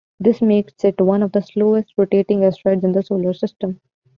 This makes it one of the slowest-rotating asteroids in the Solar System.